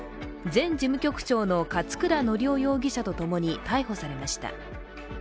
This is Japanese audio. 前事務局長の勝倉教雄容疑者と共に逮捕されました。